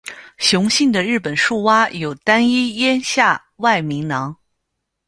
雄性的日本树蛙有单一咽下外鸣囊。